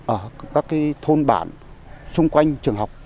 ở các thôn bản xung quanh trường học